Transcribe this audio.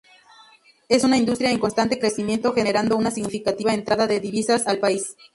Es una industria en constante crecimiento, generando una significativa entrada de divisas al país.